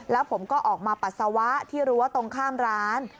แล้วผมก็ออกมาปัสสาวะที่รั้วตรงข้ามร้าน